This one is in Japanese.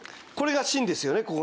これが芯ですよね